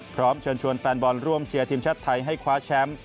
พร้อมเชิญชวนแฟนบอลร่วมเชียร์ทีมชาติไทยให้คว้าแชมป์